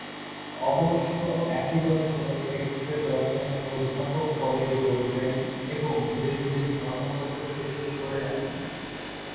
অবশ্য একই বছর এক্স-এ দর্শনের অধ্যাপক পদে যোগ দেন এবং এরপর ধীরে ধীরে ধর্মতত্ত্ব থেকে সরে আসেন।